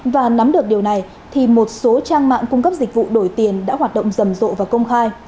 và nắm được điều này thì một số trang mạng cung cấp dịch vụ đổi tiền đã hoạt động rầm rộ và công khai